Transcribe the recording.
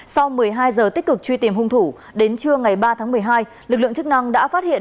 sau một mươi hai giờ tích cực truy tìm hung thủ đến trưa ngày ba tháng một mươi hai lực lượng chức năng đã phát hiện